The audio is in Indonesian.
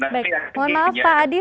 baik mohon maaf pak adi